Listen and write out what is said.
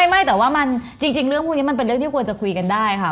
ไม่แต่ว่ามันจริงเรื่องพวกนี้มันเป็นเรื่องที่ควรจะคุยกันได้ค่ะ